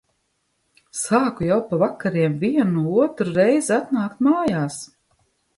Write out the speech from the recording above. Sāku jau pa vakariem vienu otru reizi atnākt mājās.